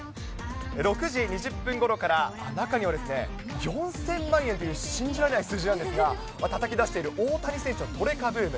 ６時２０分ごろから、中には４０００万円という信じられない数字なんですが、たたき出している大谷選手のトレカブーム。